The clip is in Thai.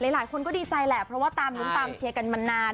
หลายคนก็ดีใจแหละเพราะว่าตามลุ้นตามเชียร์กันมานาน